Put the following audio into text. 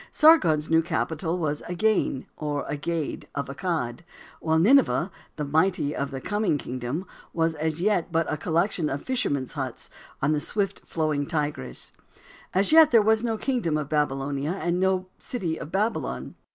Sargon's new capital was Agane, or Agade of Accad, while Nineveh, "the mighty" of the coming kingdom, was as yet but a collection of fishermen's huts on the swift flowing Tigris. As yet there was no kingdom of Babylonia, and no city of Babylon.